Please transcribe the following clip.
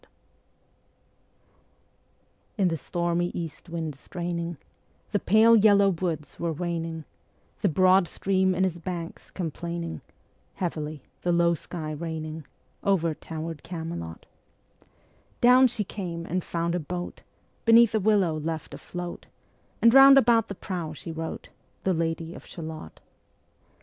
PART IV In the stormy east wind straining, The pale yellow woods were waning, The broad stream in his banks complaining, Heavily the low sky raining Ā Ā Over tower'd Camelot; Down she came and found a boat Beneath a willow left afloat, And round about the prow she wrote Ā Ā The Lady of Shalott.